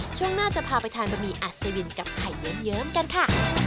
ช่วงหน้าจะพาไปทานบะหมี่อัศวินกับไข่เยิ้มกันค่ะ